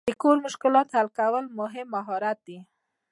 د کوډ مشکلات حل کول مهم مهارت دی.